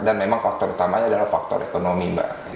dan memang faktor utamanya adalah faktor ekonomi mbak